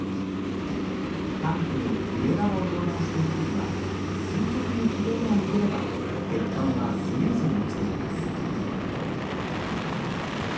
タンクの上側を溶断している時は垂直に切れ目を入れれば鉄板はスムーズに落ちていきます。